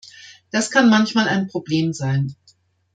Das kann manchmal ein Problem sein.